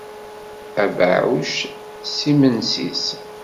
Abeɛɛuc s yimensi-s.